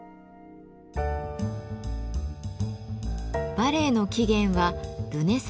バレエの起源はルネサンス時代。